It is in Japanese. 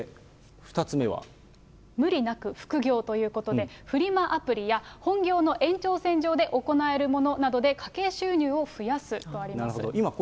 無理なく副業ということで、フリマアプリや本業の延長線上で行えるものなどで、家計収入を増やすとあります。